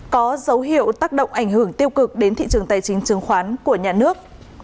có dấu hiệu tác động ảnh hưởng tiêu cực đến thị trường tài chính chứng khoán của nhà nước